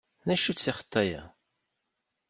D acu-tt ssixṭa-a?